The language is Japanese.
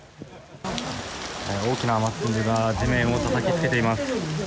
大きな雨粒が地面をたたきつけています。